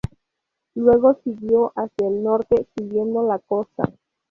Luego siguió hacia el norte siguiendo la costa.